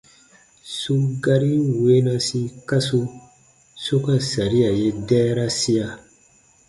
Su garin weenasi kasu su ka saria ye dɛɛrasia :